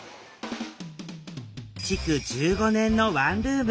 築１５年のワンルーム。